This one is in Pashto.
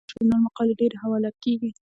د دې ژورنال مقالې ډیرې حواله کیږي.